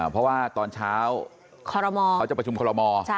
เพราะว่าตอนเช้าเขาจะประชุมคอลโม